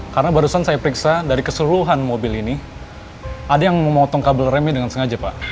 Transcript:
karena barusan saya periksa dari keseluruhan mobil ini ada yang memotong kabel remnya dengan sengaja pak